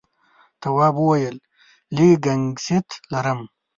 تواب وويل: لږ گنگسیت لرم.